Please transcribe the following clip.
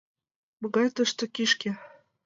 — Могай тыште кишке!